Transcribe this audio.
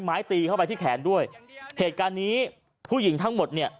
ไม้ตีเข้าไปที่แขนด้วยเหตุการณ์นี้ผู้หญิงทั้งหมดเนี่ย